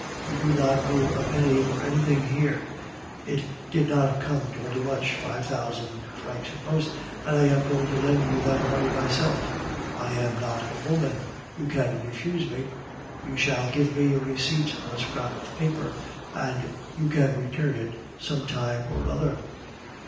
You do not owe a penny for anything here. It did not come to very much five thousand francs at most, and I am going to lend you the money myself. I am not a woman you can refuse me. You shall give me a receipt on a scrap of paper, and you can return it some time or other."